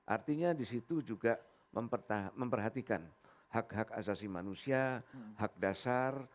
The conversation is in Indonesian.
artinya di situ juga memperhatikan hak hak asasi manusia hak dasar